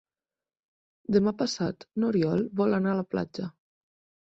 Demà passat n'Oriol vol anar a la platja.